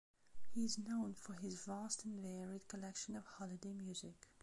He is known for his vast and varied collection of holiday music.